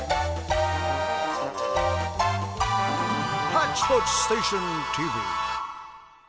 「ハッチポッチステーションＴＶ」。